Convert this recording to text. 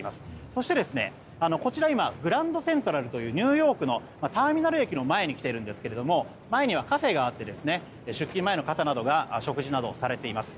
そして、こちらは今グランドセントラルというニューヨークのターミナル駅の前に来ているんですが前にはカフェがあって出勤前の方などが食事などをされています。